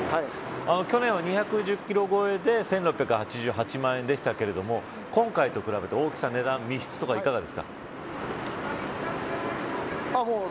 去年は２１０キロ超えで１６８８万円でしたが今回と比べて大きさ、値段身質とか、どうですか。